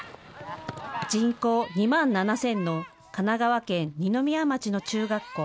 人口２万７０００の神奈川県二宮町の中学校。